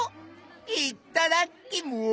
いっただきます。